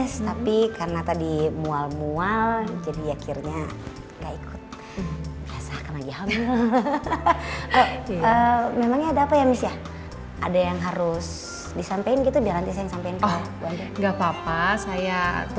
sampai jumpa di video selanjutnya